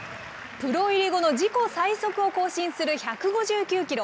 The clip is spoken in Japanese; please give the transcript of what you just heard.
プロ入り後の自己最速を更新する１５９キロ。